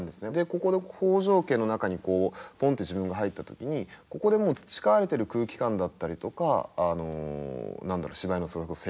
ここで北条家の中にぽんって自分が入った時にここでもう培われてる空気感だったりとか何だろう芝居のそれこそセッションだったり